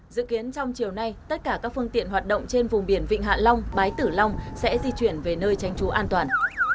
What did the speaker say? dự kiến trong chiều nay tất cả các phương tiện hoạt động trên vùng biển vịnh hạ long bái tử long sẽ di chuyển về nơi tránh trú an toàn